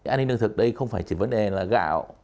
an ninh lương thực đây không phải chỉ vấn đề là gạo